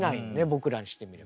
僕らにしてみれば。